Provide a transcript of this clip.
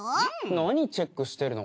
何チェックしてるの？